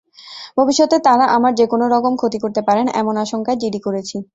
ভবিষ্যতে তাঁরা আমার যেকোনো রকম ক্ষতি করতে পারেন, এমন আশঙ্কায় জিডি করেছি।